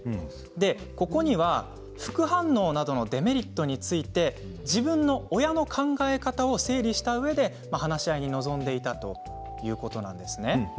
ここには副反応などのデメリットについて自分の、親の考え方を整理したうえで話し合いに臨んでいたということなんです。